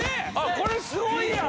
これすごいやん！